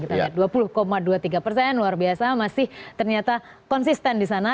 kita lihat dua puluh dua puluh tiga persen luar biasa masih ternyata konsisten di sana